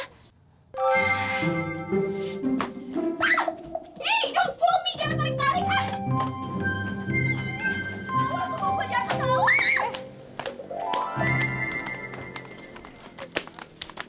hey don't pull me jangan tarik tarik